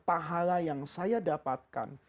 pahala yang saya dapatkan